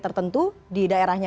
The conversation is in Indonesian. tertentu di daerahnya